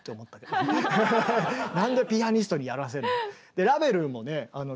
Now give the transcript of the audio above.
何でピアニストにやらせるの。